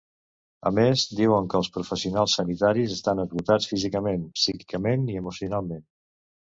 A més, diuen que els professionals sanitaris estan esgotats físicament, psíquicament i emocionalment.